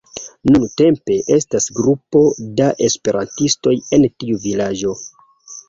Nuntempe estas grupo da esperantistoj en tiu vilaĝo.